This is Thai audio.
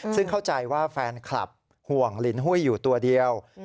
ซึ่งเข้าใจว่าแฟนคลับห่วงลินหุ้ยอยู่ตัวเดียว